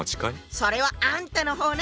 それはあんたの方ね。